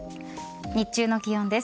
日中の気温です。